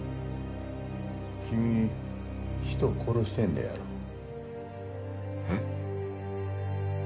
君人殺してんのやろ。え？